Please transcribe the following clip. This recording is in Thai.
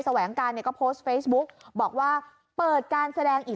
แหวงการเนี่ยก็โพสต์เฟซบุ๊กบอกว่าเปิดการแสดงอีก